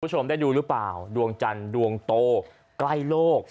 คุณผู้ชมได้ดูหรือเปล่าดวงจันทร์ดวงโตใกล้โลก